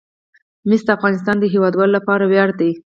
مس د افغانستان د هیوادوالو لپاره ویاړ دی.